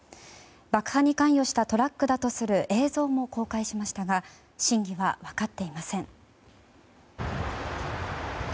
爆破に関与したトラックだとする映像も公開されましたが真偽は分かっていません。